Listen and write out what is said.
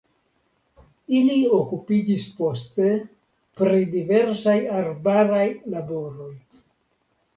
Ili okupiĝis poste pri diversaj arbaraj laboroj.